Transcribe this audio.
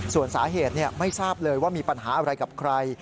ส่วนสาเหตุไม่ทราบเลยว่ามีปัญหาอะไรกับใคร